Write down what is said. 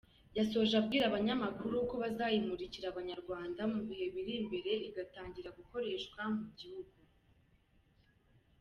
Yasoje abwira abanyamakuru ko bazayimurikira abanyarwanda mu bihe biri imbere igatangira gukoreshwa mu gihugu.